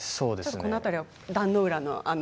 この辺りは壇ノ浦の。